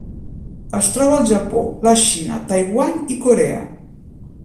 Es troba al Japó, la Xina, Taiwan i Corea.